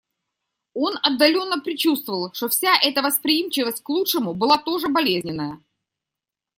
Он отдаленно предчувствовал, что вся эта восприимчивость к лучшему была тоже болезненная.